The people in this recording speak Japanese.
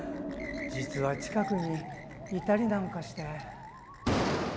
実は近くにいたりなんかして。